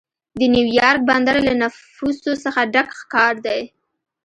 د نیویارک بندر له نفوسو څخه ډک ښار دی.